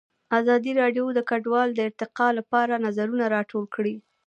ازادي راډیو د کډوال د ارتقا لپاره نظرونه راټول کړي.